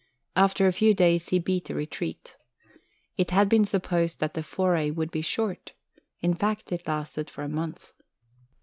After a few days he beat a retreat. It had been supposed that the "foray" would be short. In fact it lasted for a month.